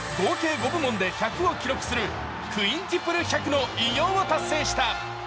５部門で１００を記録するクインティプル１００の偉業を達成した。